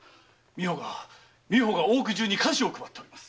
美保が大奥中に菓子を配っております。